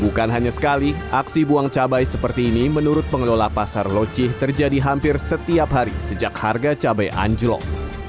bukan hanya sekali aksi buang cabai seperti ini menurut pengelola pasar locih terjadi hampir setiap hari sejak harga cabai anjlok